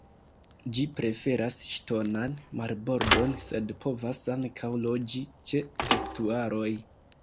Ĝi preferas ŝtonan marbordon, sed povas ankaŭ loĝi ĉe estuaroj.